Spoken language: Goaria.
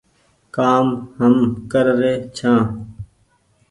ڪآم هم ڪر رهي ڇآن